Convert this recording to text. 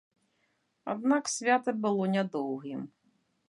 Аднак свята было нядоўгім.